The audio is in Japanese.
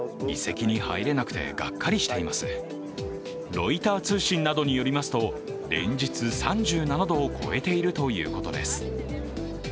ロイター通信などによりますと連日３７度を超えているということです。